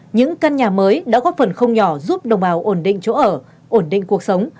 những căn nhà mới đã góp phần không nhỏ giúp đồng bào ổn định chỗ ở ổn định cuộc sống